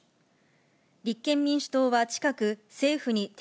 立憲民主党は近く、政府に提